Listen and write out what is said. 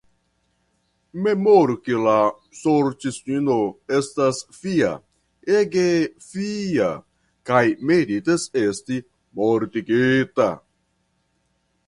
Memoru ke la Sorĉistino estas Fia, ege Fia, kaj meritas esti mortigita.